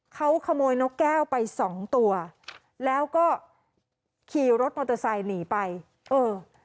เขาขโมยนกแก้วไปสองตัวแล้วก็ขี่รถมอเตอร์ไซค์หนีไปเออ